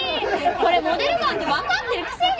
これモデルガンってわかってるくせに。